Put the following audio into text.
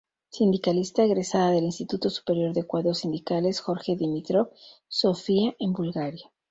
Sindicalista egresada del Instituto Superior de Cuadros Sindicales Jorge Dimitrov, Sofía en Bulgaria.